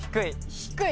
低い。